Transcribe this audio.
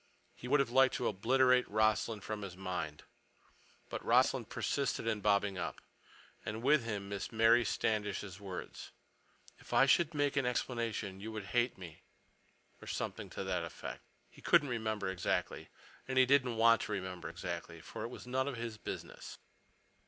He would have liked to obliterate Rossland from his mind. But Rossland persisted in bobbing up, and with him Mary Standish's words, "If I should make an explanation, you would hate me," or something to that effect. He couldn't remember exactly. And he didn't want to remember exactly, for it was none of his business.